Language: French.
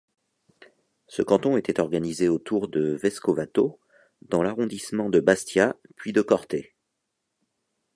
Ce canton était organisé autour de Vescovato dans l'arrondissement de Bastia puis de Corte.